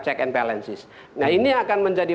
check and balances nah ini akan menjadi